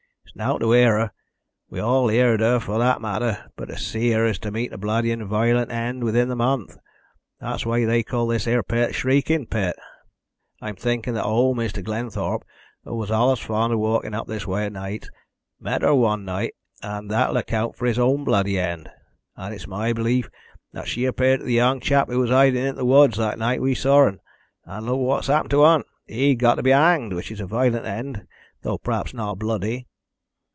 It's nowt to hear her we've all heerd her for that matter but to see her is to meet a bloody and violent end within the month. That's why they call this 'ere pit 'the Shrieking Pit.' I'm thinkin' that owd Mr. Glenthorpe, who was allus fond of walkin' up this way at nights, met her one night, and that'll account for his own bloody end. And it's my belief that she appeared to the young chap who was hidin' in th' woods the night we saw un. And look what's happened to un! He's got to be hanged, which is a violent end, thow p'r'aps not bloody."